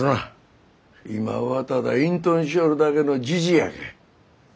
今はただ隠とんしよるだけのジジイやけん。